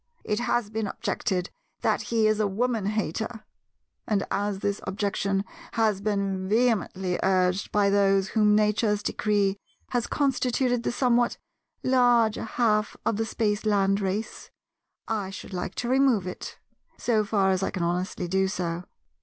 It has been objected that he is a woman hater; and as this objection has been vehemently urged by those whom Nature's decree has constituted the somewhat larger half of the Spaceland race, I should like to remove it, so far as I can honestly do so.